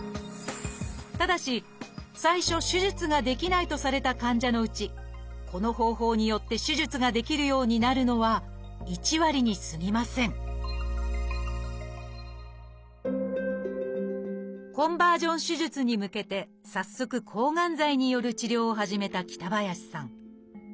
ただし最初手術ができないとされた患者のうちこの方法によって手術ができるようになるのは１割にすぎませんコンバージョン手術に向けて早速抗がん剤による治療を始めた北林さん。